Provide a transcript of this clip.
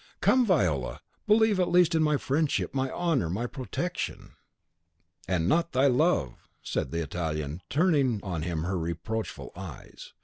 "Come, Viola; believe at least in my friendship, my honour, my protection " "And not thy love," said the Italian, turning on him her reproachful eyes.